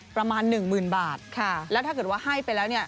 ประมาณหนึ่งหมื่นบาทแล้วถ้าเกิดว่าให้ไปแล้วเนี่ย